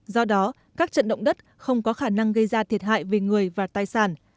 do đó các trận động đất không có khả năng gây ra thiệt hại về người và tài sản